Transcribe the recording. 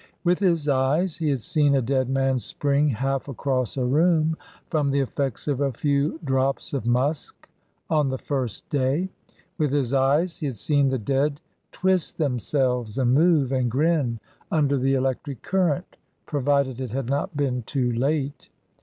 With his eyes he had seen a dead man spring half across a room from the effects of a few drops of musk on the first day; with his eyes he had seen the dead twist themselves, and move and grin under the electric current provided it had not been too late.